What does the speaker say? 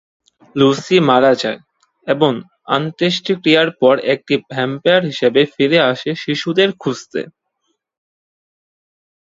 Lucy মারা যায় এবং অন্ত্যেষ্টিক্রিয়ার পর একটি ভ্যাম্পায়ার হিসাবে ফিরে আসে শিশুদের খুঁজতে।